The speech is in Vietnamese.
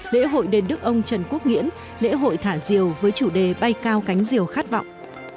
lễ hội đền đức ông trần quốc nghĩễn lễ hội thả diều với chủ đề bay cao cánh diều khát vọng